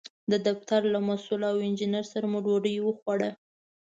د دفتر له مسوول او انجینر سره مو ډوډۍ وخوړه.